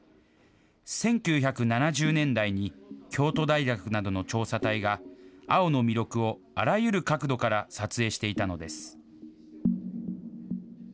１９７０年代に、京都大学などの調査隊が、青の弥勒をあらゆる角度から撮影していたのです。